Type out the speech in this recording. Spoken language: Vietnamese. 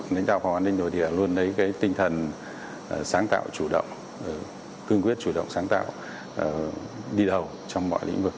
lãnh đạo phòng an ninh nội địa luôn lấy cái tinh thần sáng tạo chủ động cương quyết chủ động sáng tạo đi đầu trong mọi lĩnh vực